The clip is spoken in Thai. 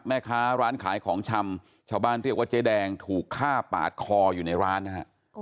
แม่ค้าร้านขายของชำชาวบ้านเรียกว่าเจ๊แดงถูกฆ่าปาดคออยู่ในร้านนะฮะ